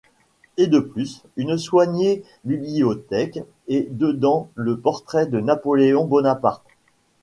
Et de plus, une soignée bibliothèque, et dedans le portrait de Napoléon Bonaparte.